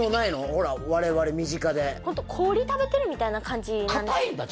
ほら我々身近でホント氷食べてるみたいな感じなんです硬いんだ？